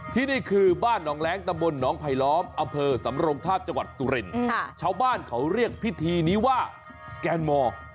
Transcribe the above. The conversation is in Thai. ที่นี่คือบ้านน้องแหลงตะบลน้องไผล้ล้อมอเภอสำรงค์ธาตุจังหวัดตุเรนชาวบ้านเขาเรียกพิธีนี้ว่าแกนมอ